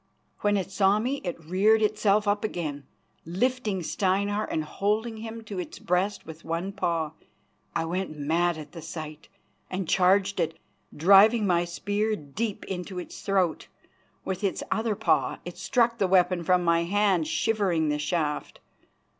When it saw me it reared itself up again, lifting Steinar and holding him to its breast with one paw. I went mad at the sight, and charged it, driving my spear deep into its throat. With its other paw it struck the weapon from my hand, shivering the shaft.